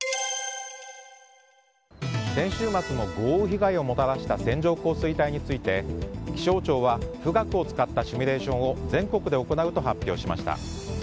先週末も豪雨被害をもたらした線状降水帯について気象庁は「富岳」を使ったシミュレーションを全国で行うと発表しました。